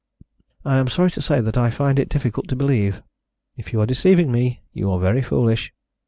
"I am sorry to say that I find it difficult to believe. If you are deceiving me you are very foolish."